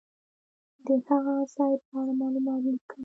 د هغه ځای په اړه معلومات لیکم.